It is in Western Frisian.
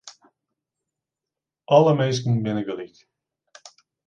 Alle minsken binne gelyk.